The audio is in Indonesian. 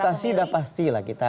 kalau edukasi udah pasti lah kita